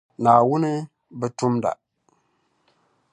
Naawuni bi tumda.